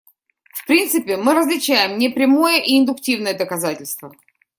В принципе, мы различаем непрямое и индуктивное доказательство.